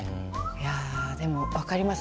いやぁでも分かります。